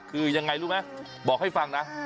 คือยังไงรู้ไหมบอกให้ฟังนะ